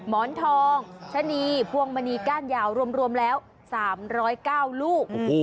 หมอนทองชะนีพวงมณีก้านยาวรวมแล้ว๓๐๙ลูก